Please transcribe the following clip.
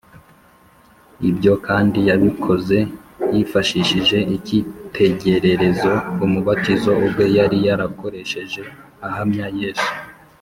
ibyo kandi yabikoze yifashishije icyitegererezo umubatiza ubwe yari yarakoresheje ahamya yesu